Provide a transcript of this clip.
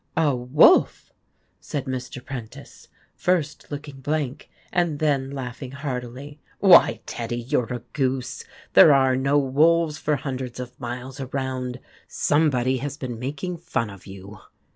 " A wolf! " said Mr. Prentice, first looking blank and then laugh ing heartily. " Why, Teddy, you 're a goose ! There are no wolves for hundreds of miles around. Somebody has been making fun of you."